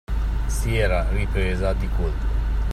Si era ripresa di colpo.